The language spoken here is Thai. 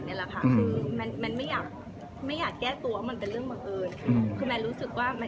คือมันไม่อยากแก้ตัวมันเป็นเรื่องบังเอิญ